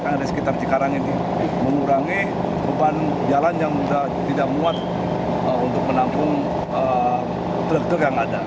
karena di sekitar cikarang ini mengurangi beban jalan yang tidak muat untuk menampung truk truk yang ada